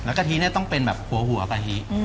แล้วกะทิต้องเป็นหัวหัวกะทิ